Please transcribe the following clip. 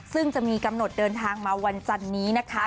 ซึ่งจะมีกำหนดเดินทางมาวันจันนี้นะคะ